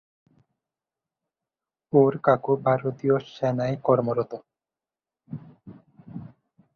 ওর কাকু ভারতীয় সেনায় কর্মরত।